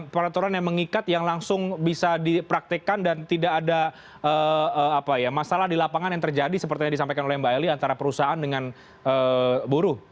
peraturan yang mengikat yang langsung bisa dipraktekkan dan tidak ada masalah di lapangan yang terjadi seperti yang disampaikan oleh mbak eli antara perusahaan dengan buruh